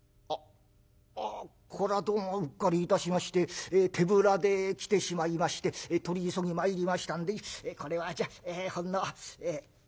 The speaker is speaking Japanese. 「あっこれはどうもうっかりいたしまして手ぶらで来てしまいまして取り急ぎ参りましたんでこれはじゃあほんの。